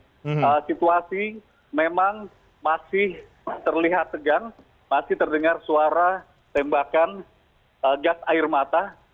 jadi situasi memang masih terlihat tegang masih terdengar suara tembakan gas air mata